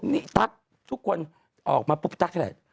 นี่ตั๊กทุกคนออกมาปุ๊บตั๊กเถอะ